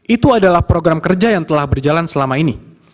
itu adalah program kerja yang telah berjalan selama ini